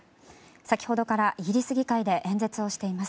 先ほどからイギリス議会で演説をしています。